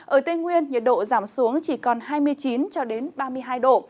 ở tây nguyên nhiệt độ giảm xuống chỉ còn hai mươi chín cho đến ba mươi hai độ